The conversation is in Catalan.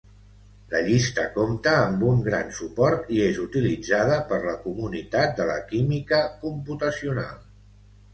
La llista compta amb un gran suport i és utilitzada per la comunitat de la química computacional.